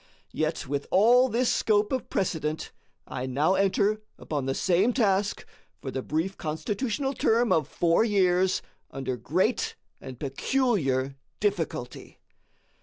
Yet, with all this scope of precedent, I now enter upon the same task for the brief Constitutional term of four years under great and peculiar difficulty.